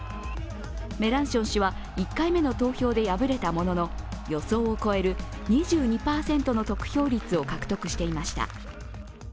メランション氏は１回目の投票で敗れたものの予想を超える２２％の得票率を獲得していました。